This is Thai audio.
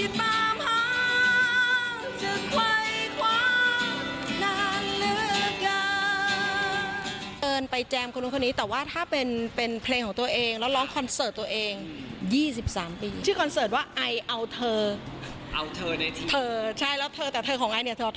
เติร์นไปแจมคนนู้นคนนี้แต่ว่าถ้าเป็น